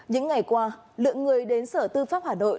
những ngày qua lượng người đến sở tư pháp hà nội